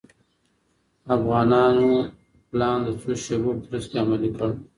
افغانانو پلان د څو شېبو په ترڅ کې عملي کړ.